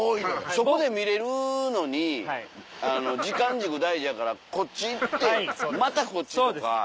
そこで見れるのに時間軸大事やからこっち行ってまたこっちとか。